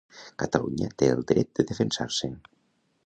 Catalunya té el dret de defensar-se